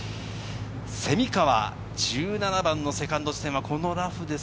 蝉川、１７番のセカンド地点はこのラフです。